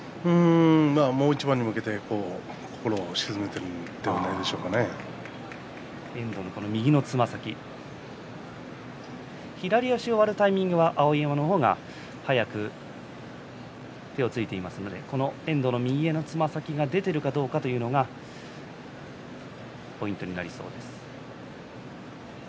大一番に向けて心を静めているんじゃ遠藤の右のつま先左足を割るタイミングは碧山の方が早く手をついていますので遠藤の右のつま先が出ているかどうかというのがポイントになりそうです。